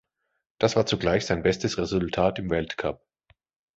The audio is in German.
Das war zugleich sein bestes Resultat im Weltcup.